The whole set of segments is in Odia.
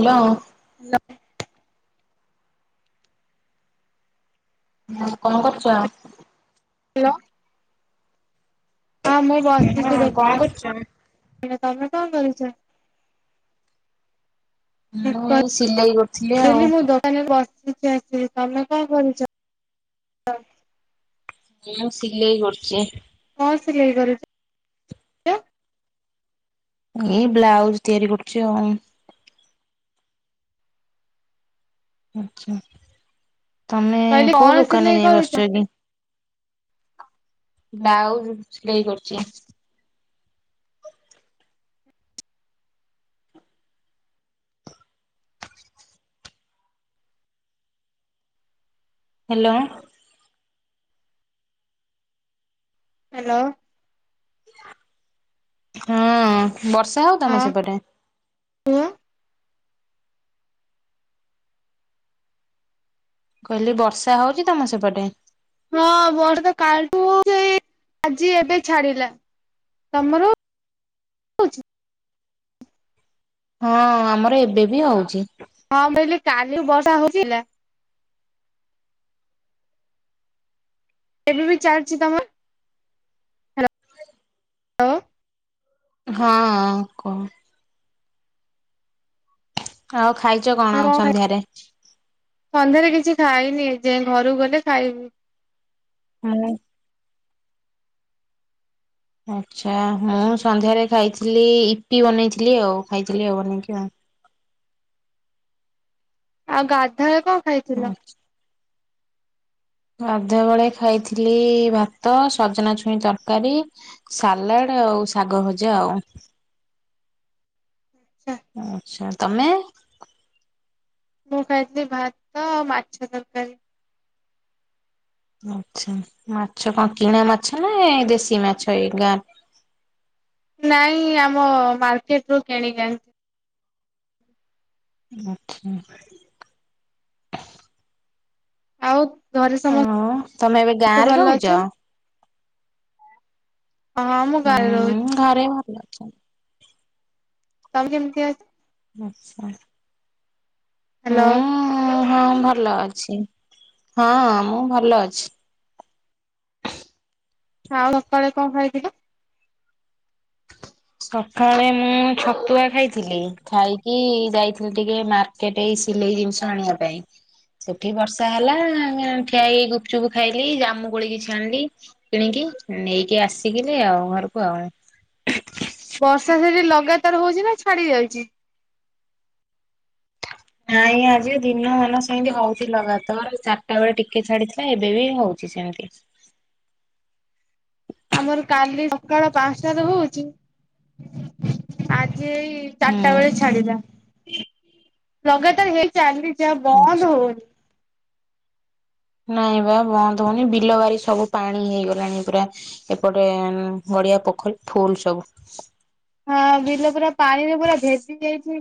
ହ୍ୟାଲୋ। ହ୍ୟାଲୋ। ହୁଁ କଣ କରୁଛୁ? ହ୍ୟାଲୋ। ହଁ ମୁଁ ବସିଚି ହଁ କଣ କରୁଛ? ଦୋକାନରେ ତମେ କଣ କରୁଛ? ମୁଁ ଏଇ ସିଲେଇ କରୁଥିଲି ଆଉ। କହିଲି ମୁଁ ଦୋକାନରେ ବ୍ରସ। [unintelligible] ତମେ କଣ କରିଚ? ମିଆଉ ସିଲେଇ କରୁଚି। କଣ ସିଲେଇ କରୁଚ୍? ଏଇ ବ୍ଲାଉଜ ତିଆରି କରୁଚି ଆଉ। ଆଛା ତମେ କହିଲି କୋଉ କଣ ଦୋକାନରେ ସିଲେଇ ଯାଇ କରୁଛ ବସିଚ୍ ଏବି ବ୍ଲାଉଜ ସିଲେଇ କରୁଚି। [inaudible] ହ୍ୟାଲୋଆ। ହ୍ୟାଲୋ। ହୁଁଉଁ, ବର୍ଷା ହଉ ତମ ସେପଟେ। ହଁ [unintelligible] କହିଲି ବର୍ଷା ହଉଚି ତମ ସେପଟେ। ହଁ, ବର ତ କାଲଠୁ ହଉଚି ହେଇ ଆଜି ଏବେ ଛାଡିଲା ତମର ହୋ ହଁ ଆମର ଏବେ ବି ହଉଚି ହଁ କହିଲି କାଲି ବର୍ଷା ହଉଥିଲା। ଏବେ ବି ଚାଲଛି ତମ ହ୍ୟାଲୋ ହଁ କଅ। ଆଉ ଖାଇଚ ହଁ କଣ ଖାଇ ସନ୍ଧ୍ୟାରେ। ସନ୍ଧ୍ୟାରେ କିଛି ଖାଇନି ଏ ଯାଏଁ ଘରୁକୁ ଗଲେ ଖାଇବି। [inaudible] ଆଚ୍ଛା ମୁଁ ସନ୍ଧ୍ୟାରେ ଖାଇଥିଲି ଇପି ବନେଇଥିଲି ଆଉ ଖାଇଥିଲି ଆଉ ବନେଇକି ଆଉ। ଆଉ ଗାଧୁଆ ବେଳେ କଣ ଖାଇ [inaudible] ଗାଧୁଆ ବେଳେ ଖାଇଥିଲି ଭାତ ସଜନା ଛୁଇଁ ତରକାରୀ ସାଲାଡ ଆଉ ଶାଗ ଭଜା ଆଉ। ଆଛା ତମେ। ମୁ ଖାଇଥିଲି ଭାତ, ମାଛ ତରକାରୀ। ଆଛା, ମାଛ କଣ କିଣା ମାଛ ନା ଏ ଦେଶୀ ମାଛ ଏଇ ଗାଁ। ନାଇଁ, ଆମ ମାର୍କେଟ୍ ରୁ କିଣିକି ଆଣି ଆଚ୍ଛା। ଆଉ ଘରେ ସମସ୍ତ ଆଉ ତମେ ଏବେ ଗାଁରେ ରହୁଚ। ହଁ, ମୁଁ ଗାଁରେ ରହୁଚ୍। ଘରେ ଭଲ ଅଛନ୍ତି। ତମେ କେମିତି ଅଛ? ଆଚ୍ଛା। ହ୍ୟାଲୋ। ହଁ, ହଁ ଭଲ ଅଛି ହଁ ମୁଁ ଭଲ ଅଛି। ଆଉ ସକାଳେ କଣ ଖାଇଥିଲ? ସକାଳେ ମୁଁ ଛତୁଆ ଖାଇଥିଲି ଖାଇକି ଯାଇଥିଲି ଟିକେ ମାର୍ କେଟେ ଏଇ ସିଲେଇ ଜିନିଷ ଆଣିବା ପାଇଁ। ସେଠି ବର୍ଷା ହେଲା ଠିଆ ହେଇ ଗୁପଚୁପ୍ ଖାଇଲି, ଜାମୁ କୋଳି କିଛି ଆଣିଲି। କିଣିକି ନେଇକି ଆସିକିଲି ଆଉ ଘରକୁ ଆଉ। ବର୍ଷା ସେଠି ଲଗାତ୍ ତର ହଉଚି ନା ଛାଡି ଯାଉଛି। ନାଇଁ, ଆଜି ଦିନ ମାନ ସେମିତି ହଉଚି ଲଗାତାର ଚାରିଟା ବେଳେ ଟିକେ ଛାଡିଥିଲା ଏବେ ବି ହଉଚି ସେମତି। ଆମର କାଲି ସକାଳ ପାଞ୍ଚଟାରୁ ହଉଚି। ଆଜି ଏଇ ଚାରିଟା ବେଳେ ହୁଁ ଛାଡିଲା। ଲଗାତାର ହେଇ ଚାଲିଚି ଆଉ ବନ୍ଦ ହୋଉନି। ନାଇଁ ବା ବନ୍ଦ ହୋଊନି ବିଲ ବାରି ସବୁ ପାଣି ହେଇଗଲାଣି ପୁରା। ଏପଟେ ଉଁ ଗଡିଆ ପୋଖରୀ ଫୁଲ୍ ସବୁ। ହଁ, ବିଲ ପୁରା ପାଣିରେ ପୁରା ଭେଦି ଯାଇଛି।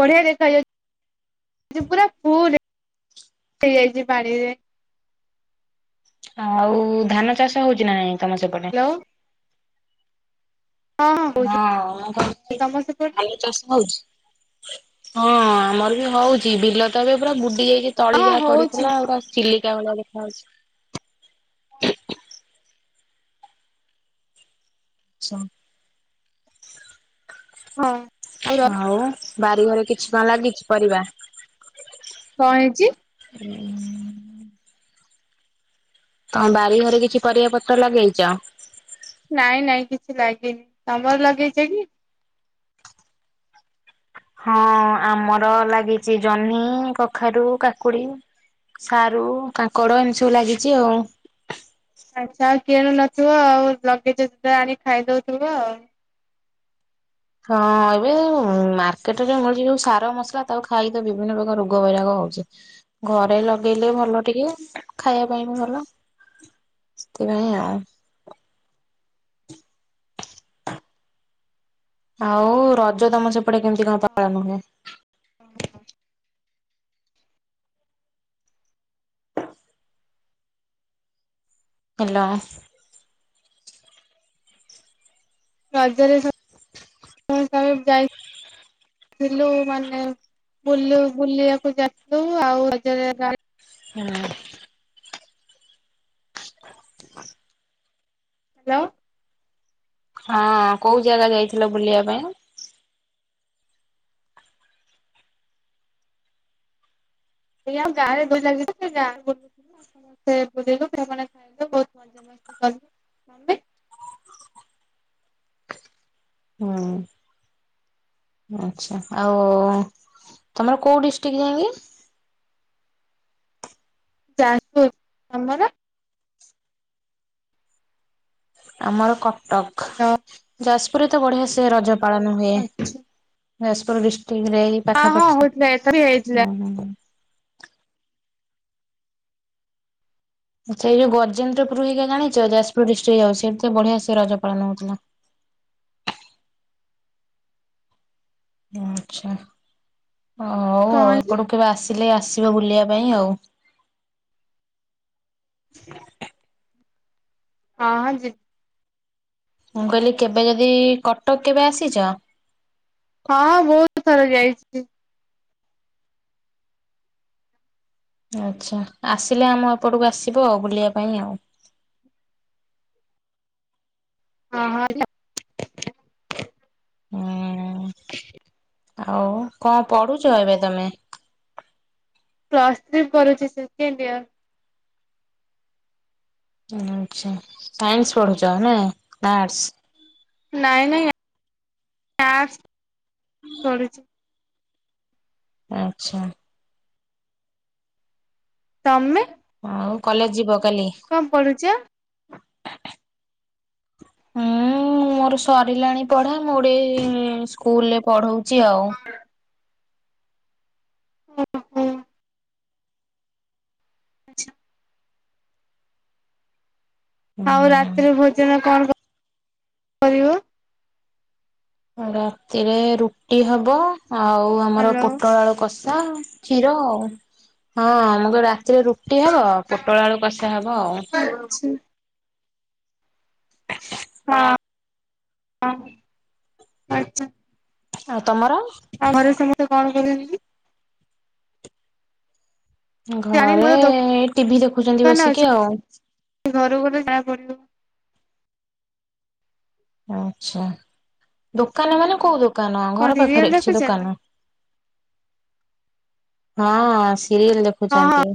ବଢିଆ ଦେଖ ଯାଉଛି, ପୁରା ଫୁଲ ହେଇଯାଇଛି ପାଣିରେ। ଆଉ ଧାନ ଚାଷ ହଉଛି ନା ନାଇଁ ତମ ସେପ ହ୍ୟାଲୋ ହଁ ହଉଛି। ହଁ, ମୁଁ କହିଲି ତମ ସେପଟରେ ଧାନ ଚାଷ ହଉଚି? ହଁ, ଆମର ବି ହଉଚି, ବିଲ ତ ଏବେ ପୁରା ବୁଡି ଯାଇଛି ତଳି ହଁ ଯା ହଉଛି ପଡିଥିଲା ଆଉ। ଚିଲିକା ଭଳିଆ ଦେଖା ଯାଉଛି। ଆଚ୍ଛା। ହଁ। ଆଉ ବାରି ଘରେ କିଛି କଁ ଲାଗିଛି ପରିବା? କଁ ହେଇଚି? ହୁଁ। ତମ ବାରି ଘରେ କିଛି ପରିବା ପତ୍ର ଲଗେଇଚ? ନାଇଁ ନାଇଁ କିଛି ଲାଗିନି ତମର ଲଗେଇଛ କି? ହଁ, ଆମର ଲାଗିଚି ଜହ୍ନି, କଖାରୁ, କାକୁଡି ସାରୁ, କାଙ୍କଡ ଏମିତି ସବୁ ଲାଗିଛି ଆଉ। ଆଚ୍ଛା, ଆଉ କିଣୁ ନଥିବ ଆଉ ଲଗେଇଚ ଯେତେ ଆଣି ଖାଇଦଉଥିବ ଆଉ। ହଁ, ଏବେ ମାର୍କେଟରେ ଯୋଉ ମିଳୁଛି ଯୋଉ ସାର ମସଲା ତାକୁ ଖାଇକି ତ ବିଭିନ୍ନ ପ୍ରକାର ରୋଗ ବୈରାଗ ହଉଚି। ଘରେ ଲଗେଇଲେ ଭଲ ଟିକେ ଖାଇଆ ପାଇଁ ବି ଭଲ। ସେଥିପାଇଁ ଆଉ। ଆଉ ରଜ ତମ ସେପଟେ କେମିତି କଣ ପାଳନ ହୁଏ? [inaudible] ହାଲୋ। ରଜରେ [unintelligible] ଯାଇ ଥିଲୁ ମାନେ ବୁଲ ବୁଲିଆକୁ ଯାଇଥିଲୁ ଆଉ ରଜରେ ହୁଁ। ହଁ। ହାଲୋ। ହଁ କୋଉ ଜାଗା ଯାଇଥିଲ ବୁଲିଆ ପାଇଁ? ଏଇ ଆମ ଗାଁରେ ଦୋଳି ଲାଗିଛି ତ [unintelligible] ଗାଁକୁ ଢେର୍ ବୁଲିଲୁ ସେମାନେ ଖାଇଲେ ବହୁତ ମଜା ମସ୍ତି କଲୁ। ତମେ ହୁଁ ଆଚ୍ଛା ଆଉ ତମର କୋଉ ଡିଷ୍ଟିକ୍ ଯାଇଁକି? ଯାଜପୁର, ତମର? ଆମର କଟକ। [unintelligible] ଯାଜପୁରରେ ତ ବଢ଼ିଆ ସେ ରଜ ପାଳନ ହୁଏ, ଆଚ୍ଛା ଯାଜପୁର ଡିଷ୍ଟିକରେ। ହଁ ହଁ ପାଖାପାଖି ଉ ହଉଥିଲା ଏଥର ବି ହେଇଥିଲା ହୁଁ ହୁଁ। ସେଇ ଯୋଉ ଗଜେନ୍ଦ୍ରପୁର ହେଇକା ଜାଣିଛ ଯାଜପୁର ଡିଷ୍ଟିକରେ ଯାଉଛି, ସେଠି ତ ବଢିଆ ସେ ରଜ ପାଳନ ହଉଥିଲା। ଆଚ୍ଛା ହଉ କଣ ଆଉ ହେଇଛି ଏପଟକୁ କେବେ ଆସିଲେ ଆସିବ ବୁଲିଆ ପାଇଁ ଆଉ। ହଁ ହଁ ଯି ମୁଁ କହିଲି କେବେ ଯଦି କଟକ କେବେ ଆସିଚ? ହଁ ବହୁତ ଥର ଯାଇଛି। ଆଚ୍ଛା ଆସିଲେ ଆମ ଏପଟକୁ ଆସିବ ଆଉ ବୁଲିଆ ପାଇଁ ଆଉ। ହଁ ହଁ ନା। ଉଁ ଆଉ କଁ ପଢୁଛ ଏବେ ତମେ? ପ୍ଲସ୍ ଥ୍ରୀ ପଢୁଛି ସେକେଣ୍ଡ ଇୟର। ଆଚ୍ଛା ସାଇନ୍ସ ପଢୁଛ ନା ଆର୍ଟ୍ସ? ନାଇଁ ନାଇଁ ଆର୍ଟ୍ସ ପଢୁଛି। ଆଚ୍ଛା। ତମେ? ଆଉ କଲେଜ ଯିବ କାଲି। କଣ ପଢୁଚ? ହୁଁ। ହୁଁ ମୋର ସରିଲାଣି ପଢା ମୁଁ ଗେଟେ ସ୍କୁଲରେ ପଢଉଛି ଆଉ। ହ ଓ ହୋ। ଆଛା। ଆଉ ରାତିରେ ହୁଁ ଭୋଜନ କଣ କରିବ? ରାତିରେ ରୁଟି ହବ ଆଉ ଆମର ହ୍ୟାଲୋ ପୋଟଳ ଆଳୁ କଷା। ତା ହ କ୍ଷୀର ଆଉ। ହଁ ହଁ ମୁଁ କ ରାତିରେ ରୁଟି ହବ ପୋଟଳ ଆଳୁ କଷା ହବ ଆଉ। ହଛି। ହଁ [inaudible] ଆଚ୍ଛା। ଆଉ ତମର? ଆଉ ଘରେ ସମତେ କଣ କରୁସିନ୍ତି। ଜାଣିନି ଘରେ ମୋର ଏ ଟିଭିି ଦେଖୁଛନ୍ତି ବସିକି ଆଉ। ସେ ଘରକୁ ଗଲେ ଜାଣା ପଡିବ। ଆଛା ଦୋକାନ ମାନେ କୋଉ ଦୋକାନ କଣ ଘର ସିରିଏଲ ପାଖରେ କିଛି ଦେଖୁଛନ୍ତି? ଦୋକାନ। ହଁ ସିରିଏଲ ହଁ ହଁ। ଦେଖୁଚନ୍ତି।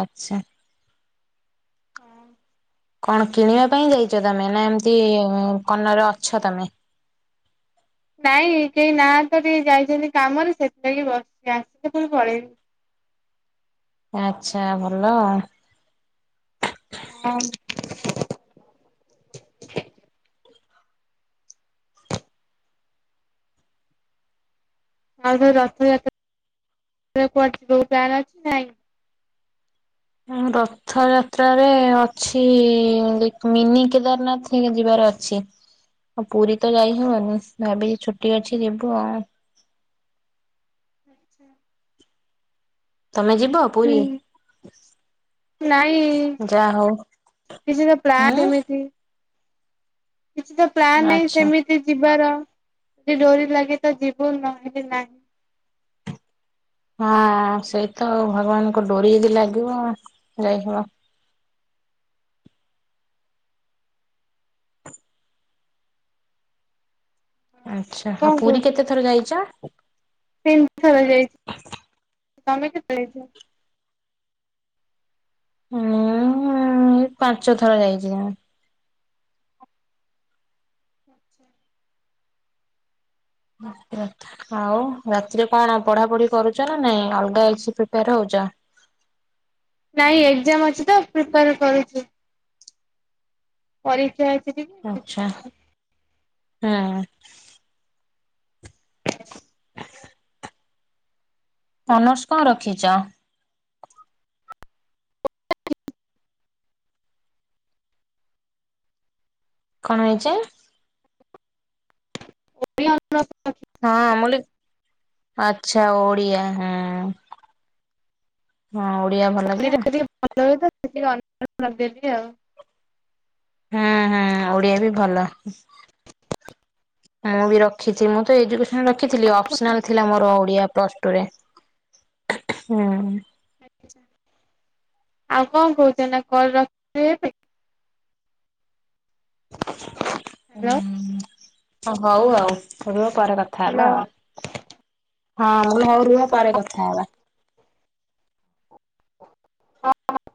ଆଚ୍ଛା। ହଁ। କଣ କିଣିବା ପାଇଁ ଯାଇଛ ତମେ ନା ଏମିତି କନରେ ଅଛ ତମେ? ନାଇଁ କେହି ନାହାଁତିତ ଟିକେ ଯାଇଛନ୍ତି କାମରେ ସେଥିଲାଗି ବସିଛି ଆସିଲେ ପୁଣି ପଲେଇବି। ଆଚ୍ଛା ଭଲ ଆଉ। ହଁ। ଆଉ ଯୋଉ ରଥଯାତ୍ରାକୁ କୁଆଡେ ଟୁର ଅଛି ନା ନାଇଁ? ରଥଯାତ୍ରାରେ ଅଛି ମିନି କେଦାରନାଥ ଯିବାର ଅଛି। ଆଉ ପୁରୀ ତ ଯାଇ ହବନି ଭାବିଛିି ଛୁଟି ଅଛି ଯିବୁ ଆଉ। ଆଚ୍ଛା। ତମେ ଯିବ ପୁରୀ? ହୁଁ ନାଇଁ ଯାହା ହଉ କିଛି ତ ପ୍ଲାନ ହୁଁ ହେମିତି - କିଛି ତ ପ୍ଲାାନ ନାହିଁ ଆଚ୍ଛା। ସେମିତି ଯିବାର ଯଦି ଡୋରି ଲାଗେ ତ ଯିବୁ ନହେଲେ ନାହିଁ। ହଁ ସେଇ ତ ଆଉ। ଭଗବାନଙ୍କ ଡୋରିି ଯଦି ଲାଗିବ ଯାଇହବ। ଆଚ୍ଛା କଣ ହ ପୁରୀ କହୁଛୁ କେତେ ଥର ଯାଇଛ? ତିନି ଥର ଯାଇଚି। ତମେ କେତେ ଯାଇଛ? ମୁଁ ପାଞ୍ଚ ଥର ଯାଇଛି। [unintelligible] ଆଉ ରାତିରେ କଣ ପଢା ପଢି କରୁଛ ନା ନାଇଁ ଅଲଗା କିଛି ପ୍ରିପେୟାର ହଉଛ? ନାଇଁ ଏକ୍ଜାମ ଅଛି ତ ପ୍ରିପୟର କରୁଛି। ପରୀକ୍ଷା ଅଛି ଟି ଆଚ୍ଛା ହଁ। ଅନର୍ସ କଣ ରଖିଛ? କଣ ହେଇଚି? [inaudible] ହଁ ମୁ ଲି ଆଚ୍ଛା ଓଡ଼ିଆ ହୁଁ। ହଁ ଓଡିଆ ଭଲଯେ। ଭଲ ହୁଏ ତ ସେ ଅନର୍ସ ରଖିଦେଲି ଆଉ। ହଁ-ହଁ ଓଡିଆ ବି ଭଲ। ମୁଁ ବି ରଖିଛିି ମୁଁ ତ ଏଜୁକେସନ ରଖିଥିଲି ଅପସନାଲ ଥିଲା ମୋର ଓଡିଆ ପ୍ଲସ ଟୁ ରେ। ହୁଁ। ଆଉ କଣ କହୁଚ ନା କଲ ରଖିଦେବି ଏବେ। ହ୍ୟାଲୋ ହହୁଁ ଅ ହଉ ଆଉ, ରୁହ ପରେ କଥା ହବା ହ୍ୟାଲୋ। ଆଉ। ହଁ ମୁଁ କହିଲି ହଉ ରୁହ ପରେ କଥା ହବା। ହଁ, ହ।